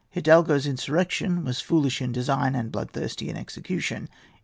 Hidalgo's insurrection was foolish in design and bloodthirsty in execution.